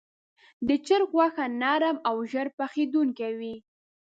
د چرګ غوښه نرم او ژر پخېدونکې وي.